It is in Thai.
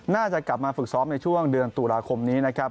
น่าจะกลับมาฝึกซ้อมในช่วงเดือนตุลาคมนี้นะครับ